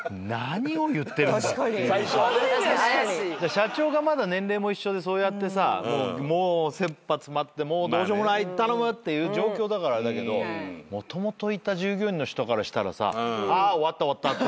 社長がまだ年齢も一緒でそうやってさ切羽詰まってどうしようもない頼むって状況だからあれだけどもともといた従業員の人からしたらさ「あー終わった終わった」って。